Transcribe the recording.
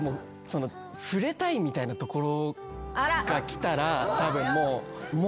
触れたいみたいなところがきたらたぶん。